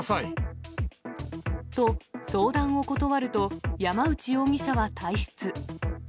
と、相談を断ると、山内容疑者は退室。